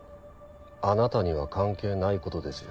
あなたには関係ないことですよ。